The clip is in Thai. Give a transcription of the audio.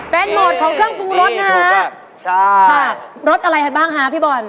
เป็นโหมดของเครื่องปรุงรสนะฮะใช่ค่ะรสอะไรให้บ้างฮะพี่บอล